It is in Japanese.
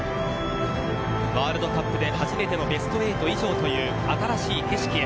ワールドカップで初めてのベスト８以上という新しい景色へ。